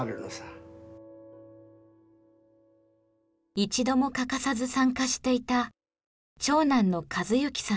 一度も欠かさず参加していた長男の一幸さんです。